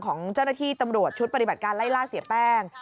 ของเจ้าหน้าที่ตำรวจชุดปฏิบัติการไล่ล่าเสียแป้ง